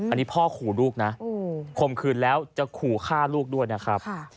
อันนี้พ่อขู่ลูกนะคมคืนแล้วจะขู่ฆ่าลูกด้วยนะครับ